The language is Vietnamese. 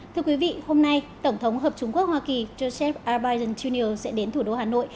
thưa quý vị hôm nay tổng thống hợp chủng quốc hoa kỳ joseph r biden jr sẽ đến thủ đô hà nội